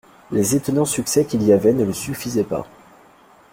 Les étonnants succès qu'il y avait ne lui suffisaient pas.